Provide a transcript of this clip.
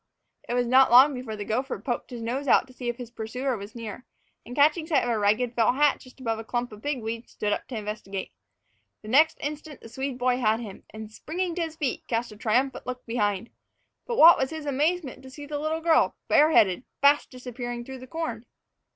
It was not long before the gopher poked his nose out to see if his pursuer was near, and, catching sight of a ragged felt hat just above a clump of pigweed, stood up to investigate. The next instant the Swede boy had him and, springing to his feet, cast a triumphant look behind. But what was his amazement to see the little girl, bareheaded, fast disappearing through the corn!